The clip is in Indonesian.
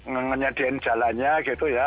menyediakan jalannya gitu ya